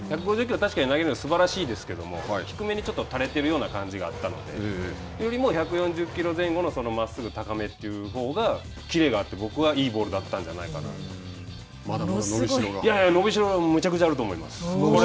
確かに投げるのはすばらしいですけども低めにちょっと垂れてるような感じがあったのでよりも１４４キロ前後のまっすぐ高めというほうが切れがあって僕はいいボールだったんじゃない伸びしろは。